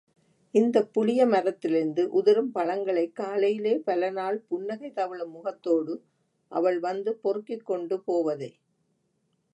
இந்தப் புளியமரத்திலிருந்து உதிரும் பழங்களைக் காலையிலே பலநாள் புன்னகை தவழும் முகத்தோடு அவள் வந்து பொறுக்கிக் கொண்டு போவதை.